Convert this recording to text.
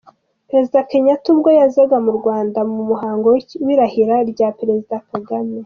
Perezida Kenyatta ubwo yazaga mu Rwanda mu muhango w’irahira rya Perezida Kagame